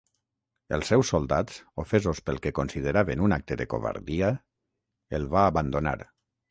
Els seus soldats, ofesos pel que consideraven un acte de covardia, el va abandonar.